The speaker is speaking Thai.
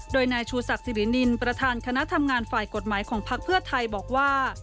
โดยนายชูศักดิรินินประธานคณะทำงานฝ่ายกฎหมายของพักเพื่อไทยบอกว่า